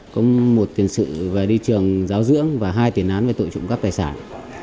có một tiền sự về đi trường giáo dưỡng và hai tiền án về tội trộm cắp tài sản